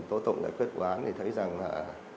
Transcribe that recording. tố tụng giải quyết vụ án thì thấy rằng là